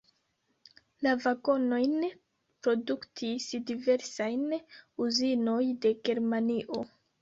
La vagonojn produktis diversaj uzinoj de Germanio.